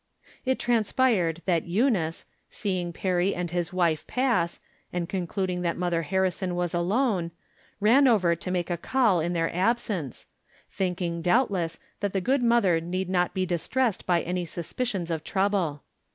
It transpired that Eunice, seeing Perry and his wife pass, and concluding that Mother Harrison was alone, ran over to make a call in their ab sence, thinking, doubtless,. that the good mother need not be distressed by any suspicions of trouble.